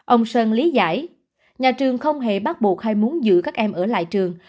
ông sơn lý giải nhà trường không hề bắt buộc hay muốn giữ các em ở lại trường